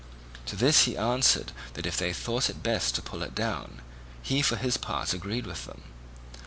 To this he answered that if they thought it best to pull it down, he for his part agreed with them.